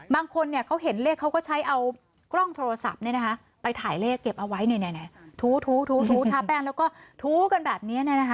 บางคนเขาเห็นเลขเขาก็ใช้เอากล้องโทรศัพท์ไปถ่ายเลขเก็บเอาไว้ถูทาแป้งแล้วก็ถูกันแบบนี้